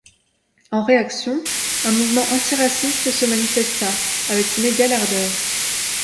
En réaction, un mouvement anti-raciste se manifesta avec une égale ardeur.